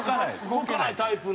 動かないタイプの。